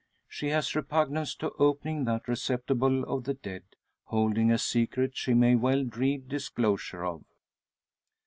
She has repugnance to opening that receptacle of the dead, holding a secret she may well dread disclosure of.